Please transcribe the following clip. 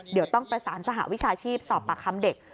เดี๋ยวต้องประสานสหวิชาชีพสอบปากคำเด็ก